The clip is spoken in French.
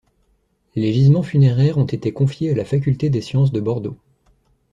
Les gisements funéraires ont été confiés à la faculté des Sciences de Bordeaux.